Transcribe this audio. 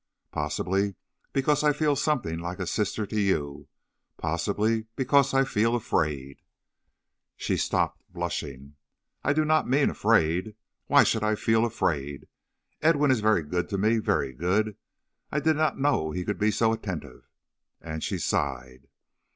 Possibly because I feel something like a sister to you, possibly because I feel afraid ' "She stopped, blushing. 'I do not mean afraid. Why should I feel afraid? Edwin is very good to me; very good. I did not know he could be so attentive.' And she sighed.